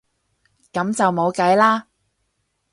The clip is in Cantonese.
噉就冇計啦